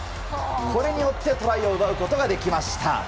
これによってトライを奪うことができました。